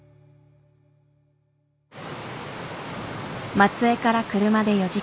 松江から車で４時間。